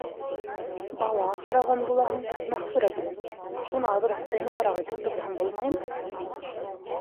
— Бала аҫыраған булаһың, Мәғфүрә килен, шуны аҙыраҡ тыйнағыраҡ итеп тотһаң булмаймы?